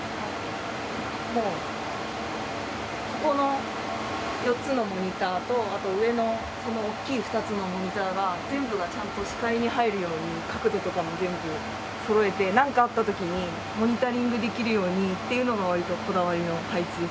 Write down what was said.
もうここの４つのモニターとあと上のその大きい２つのモニターが全部がちゃんと視界に入るように角度とかも全部そろえてなんかあった時にモニタリングできるようにっていうのも割とこだわりの配置ですね。